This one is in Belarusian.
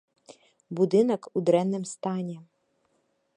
Будынак у дрэнным стане.